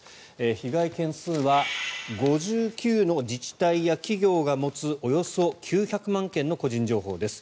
被害件数は５９の自治体や企業が持つおよそ９００万件の個人情報です。